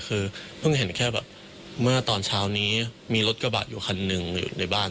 คือเพิ่งเห็นแค่แบบเมื่อตอนเช้านี้มีรถกระบะอยู่คันหนึ่งอยู่ในบ้าน